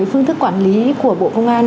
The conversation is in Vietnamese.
phương thức quản lý của bộ công an